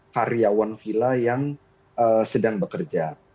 hariawan vila yang sedang bekerja